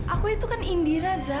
aku itu kan indira za